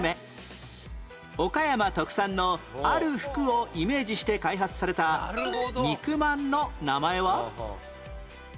岡山特産のある服をイメージして開発された肉まんの名前は？